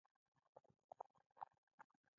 دغه مجسمې په غره کې کیندل شوې وې